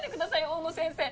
大野先生！